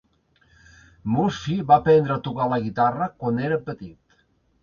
Murphy va aprendre a tocar la guitarra quan era petit.